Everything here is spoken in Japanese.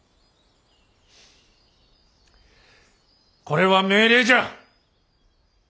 これは命令じゃ！